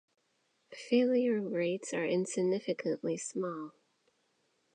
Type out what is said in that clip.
Failure rates are insignificantly small.